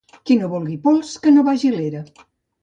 Qui no vulgui pols, que no vagi a l'era